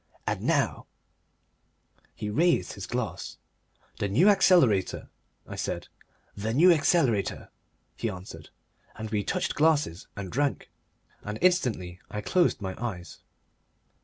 And now " He raised his glass. "The New Accelerator," I said. "The New Accelerator," he answered, and we touched glasses and drank, and instantly I closed my eyes.